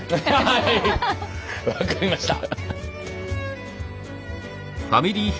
はい分かりました。